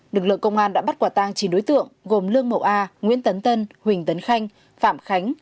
lực lượng công an đã bắt quả tang chín đối tượng gồm lương mậu a nguyễn tấn tân huỳnh tấn khanh phạm khánh